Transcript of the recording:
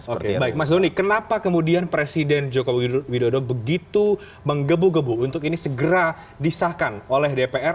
oke baik mas doni kenapa kemudian presiden joko widodo begitu menggebu gebu untuk ini segera disahkan oleh dpr